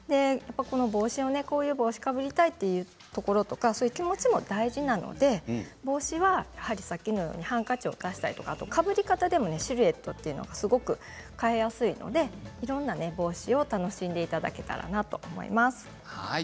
こういう帽子をかぶりたいという気持ちも大事なので帽子はさっきのようにハンカチを足したりかぶり方でもシルエットを変えやすいのでいろんな帽子を楽しんでいただけたらと思います。